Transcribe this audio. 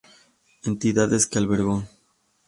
Entidades que albergó